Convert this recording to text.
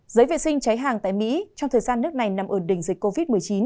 giấy vệ sinh cháy hàng tại mỹ trong thời gian nước này nằm ở đỉnh dịch covid một mươi chín